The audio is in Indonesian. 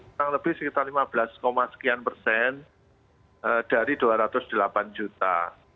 kurang lebih sekitar lima belas sekian persen dari dua ratus delapan juta